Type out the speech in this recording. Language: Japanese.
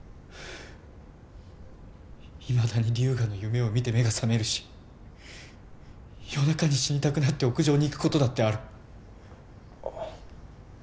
いまだに龍河の夢を見て目が覚めるし夜中に死にたくなって屋上に行く事だってある。